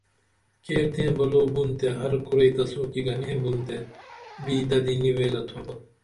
کیر تئیں بلو بُن تے ہر کُرئی تسو کی گنین بُن تے بی ددی نی ویلہ تُھوبہ